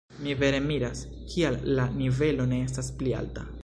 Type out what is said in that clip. Mi vere miras, kial la nivelo ne estas pli alta.